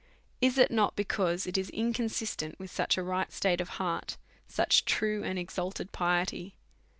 Is it not because it is incon » I ^', sistent with such a right state of heart, such true and '^'^ t exalted piety